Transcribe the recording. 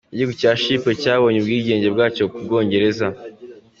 igihugu cya Chypres cyabonye ubwigenge bwacyo ku Bwongereza.